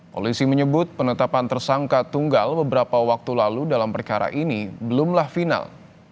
polisi menyebut penetapan tersangka tunggal beberapa waktu lalu dalam perkara ini belumlah final